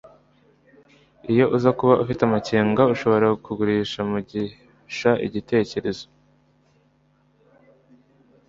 iyo uza kuba ufite amakenga, ushobora kugurisha mugisha igitekerezo